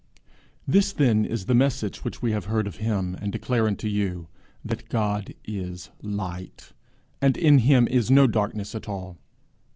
_This then is the message which we have heard of him, and declare unto you, that God is light, and in him is no darkness at all.